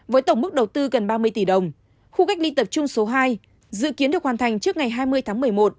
với tổng mức đầu tư gần ba mươi tỷ đồng khu cách ly tập trung số hai dự kiến được hoàn thành trước ngày hai mươi tháng một mươi một